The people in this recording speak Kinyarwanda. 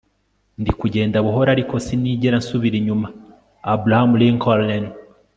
ndi kugenda buhoro, ariko sinigera nsubira inyuma. - abraham lincoln